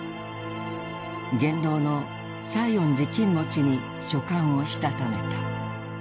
元老の西園寺公望に書簡をしたためた。